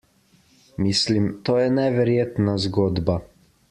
Mislim, to je neverjetna zgodba.